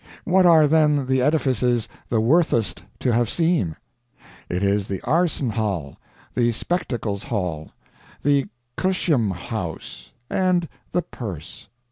What are then the edifices the worthest to have seen? It is the arsnehal, the spectacle's hall, the Cusiomhouse, and the Purse.